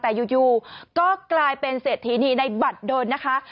แต่อยู่ก็กลายเป็นเศรษฐีนีในบัตรดนนะคะ